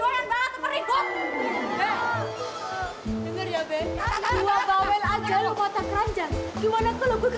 udah nih ngapasin dua yang banget peribuk ya bekerja bekerja lu mata keranjang gimana